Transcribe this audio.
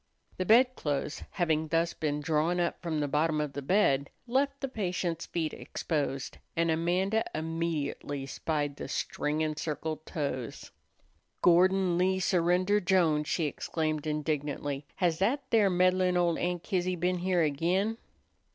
The bedclothes, having thus been drawn up from the bottom of the bed, left the patient's feet exposed, and Amanda immediately spied the string encircled toes. "Gordon Lee Surrender Jones," she exclaimed indignantly, "has that there meddlin' ol' Aunt Kizzy been here again?"